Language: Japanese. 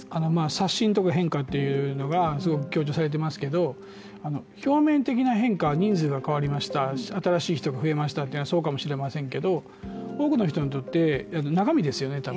刷新とか、変化というのがすごく強調されてますけれども表面的な変化、人数が変わりました、新しい人が増えましたというのはそうかもしれませんが多くの人にとって、中身ですよね。